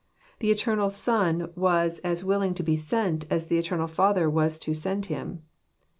The eternal Son was as willing to be "sent" as the eternal Father was to "send" Him.